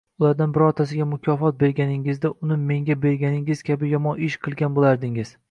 Ulardan birontasiga mukofot berganingizda, uni menga berganingiz kabi yomon ish qilgan bo‘lardingiz